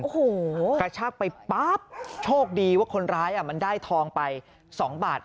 โอ้โหกระชากไปปั๊บโชคดีว่าคนร้ายมันได้ทองไป๒บาท